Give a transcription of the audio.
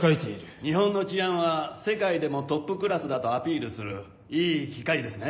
日本の治安は世界でもトップクラスだとアピールするいい機会ですね。